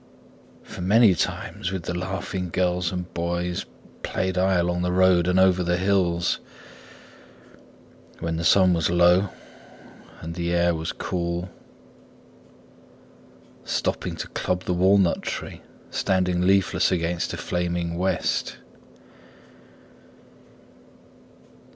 For many times with the laughing girls and boys Played I along the road and over the hills When the sun was low and the air was cool, Stopping to club the walnut tree Standing leafless against a flaming west.